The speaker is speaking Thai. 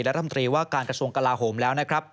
รัฐมนตรีว่าการกระทรวงกลาโหมแล้วนะครับ